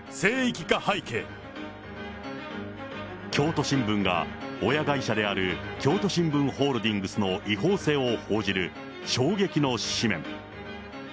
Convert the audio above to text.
京都新聞が、親会社である京都新聞ホールディングスの違法性を報じる衝撃の紙面。